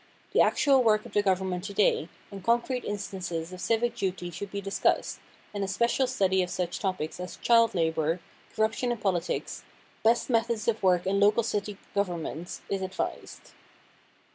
The actual work of the government to day, and concrete instances of civic duty should be discussed, and a special study of such topics as "Child Labor," "Corruption in Politics," "Best Methods of Work in Local City Governments," is advised.